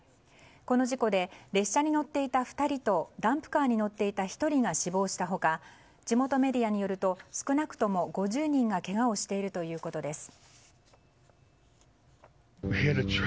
この事故で列車に乗っていた２人とダンプカーに乗っていた１人が死亡した他地元メディアによると少なくとも５０人がけがをしているということです。